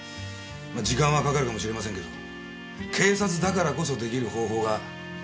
時間はかかるかもしれませんけど警察だからこそ出来る方法がいくらでもあったはずです。